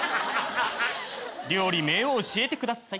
料理名を教えてください。